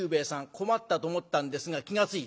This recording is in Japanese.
困ったと思ったんですが気が付いた。